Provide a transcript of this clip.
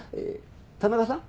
田中さん？